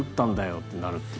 ってなるっていう。